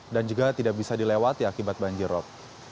dan juga tidak bisa dilewati akibat banjir rob